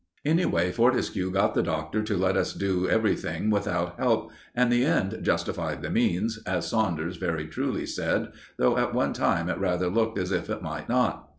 Anyway, Fortescue got the Doctor to let us do everything without help, and the end justified the means, as Saunders very truly said, though at one time it rather looked as if it might not.